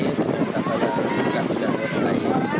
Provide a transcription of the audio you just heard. dengan sampah yang juga bisa terpulai